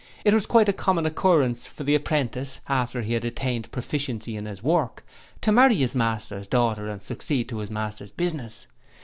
It was quite a common occurrence for the apprentice after he had attained proficiency in his work to marry his master's daughter and succeed to his master's business.